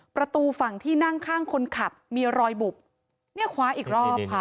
ประตูฝั่งที่นั่งข้างคนขับมีรอยบุบเนี่ยคว้าอีกรอบค่ะ